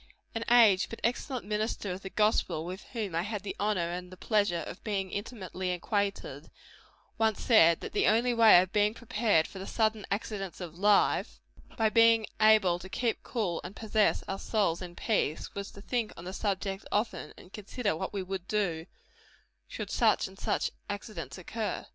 An aged but excellent minister of the gospel with whom I had the honor and the pleasure of being intimately acquainted, once said, that the only way of being prepared for the sudden accidents of life by being able to keep cool and possess our souls in peace was to think on the subject often, and consider what we would do, should such and such accidents occur.